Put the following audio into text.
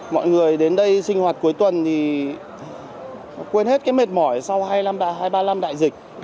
mọi người đến đây sinh hoạt cuối tuần thì quên hết mệt mỏi sau hai ba năm đại dịch